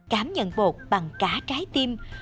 cám nhận bột bằng cả trái tim